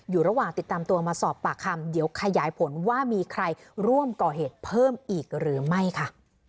อยู่ระหว่างติดตามตัวมาสอบปากคำเดี๋ยวขยายผลว่ามีใครร่วมก่อเหตุเพิ่มอีกหรือไม่ค่ะ